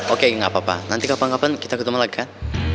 oke nggak apa apa nanti kapan kapan kita ketemu lagi kan